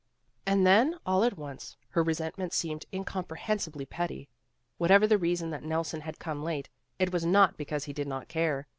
And then, all at once, her resentment seemed incomprehensiblely petty. Whatever the rea son that Nelson had come late, it was not be cause he did not care.